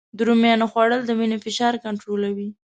د رومیانو خوړل د وینې فشار کنټرولوي